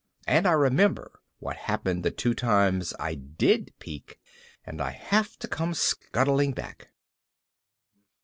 and I remember what happened the two times I did peek, and I have to come scuttling back.